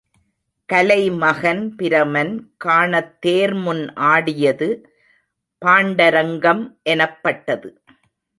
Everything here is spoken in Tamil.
கலைமகன் பிரமன் காணத் தேர்முன் ஆடியது பாண்டரங்கம் எனப்பட்டது.